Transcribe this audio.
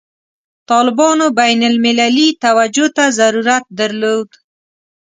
طالبانو بین المللي توجه ته ضرورت درلود.